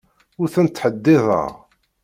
Ur tent-ttḥeddideɣ.